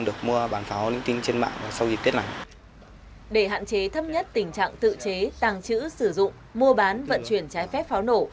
để hạn chế thấp nhất tình trạng tự chế tàng trữ sử dụng mua bán vận chuyển trái phép pháo nổ